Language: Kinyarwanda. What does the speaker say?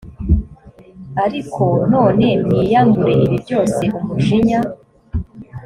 ariko none mwiyambure ibi byose umujinya